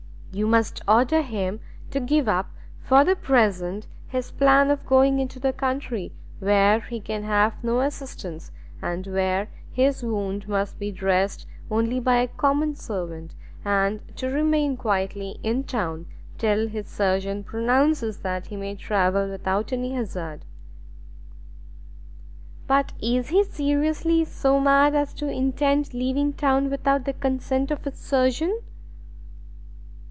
"You must order him to give up, for the present, his plan of going into the country, where he can have no assistance, and where his wound must be dressed only by a common servant, and to remain quietly in town till his surgeon pronounces that he may travel without any hazard." "But is he, seriously, so mad as to intend leaving town without the consent of his surgeon?"